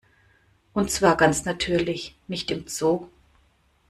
Und zwar ganz natürlich, nicht im Zoo.